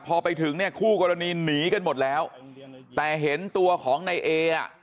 พอไปถึงเนี่ยคู่กรณีหนีกันหมดแล้วแต่เห็นตัวของนายเออ่ะ